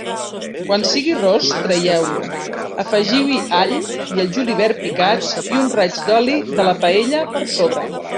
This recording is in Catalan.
Quan sigui ros, traieu-lo, afegiu-hi l'all i el julivert picats i un raig d'oli de la paella per sobre.